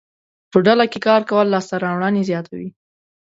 په ډله کې کار کول لاسته راوړنې زیاتوي.